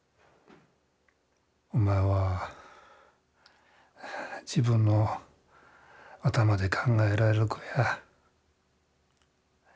お前は自分の頭で考えられる子や。